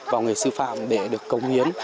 và người sư phạm để được công hiến